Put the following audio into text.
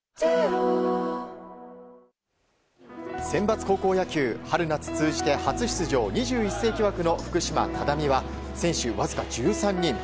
センバツ高校野球、春夏通じて初出場、２１世紀枠の福島・只見は選手わずか１３人。